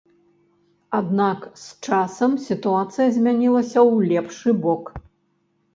Аднак з часам сітуацыя змянілася ў лепшы бок.